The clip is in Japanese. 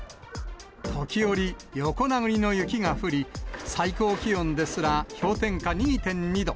時折、横殴りの雪が降り、最高気温ですら、氷点下２．２度。